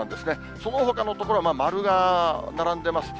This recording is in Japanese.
そのほかの所は〇が並んでます。